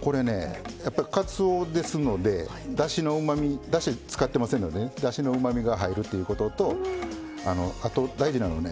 これねやっぱかつおですのでだしのうまみだし使ってませんのでねだしのうまみが入るということとあと大事なのはね